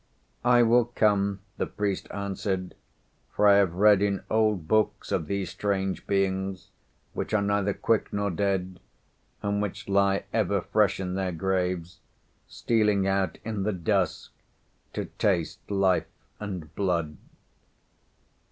"I will come," the priest answered, "for I have read in old books of these strange beings which are neither quick nor dead, and which lie ever fresh in their graves, stealing out in the dusk to taste life and blood."